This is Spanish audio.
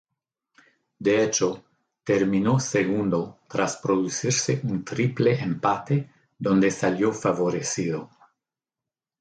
De hecho, terminó segundo tras producirse un triple empate donde salió favorecido.